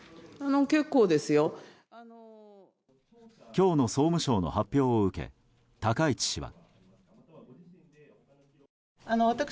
今日の総務省の発表を受け高市氏は。